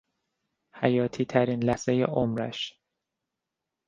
حیاتیترین لحظهی عمرش